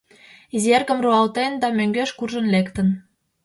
Изи эргым руалтен да мӧҥгеш куржын лектын.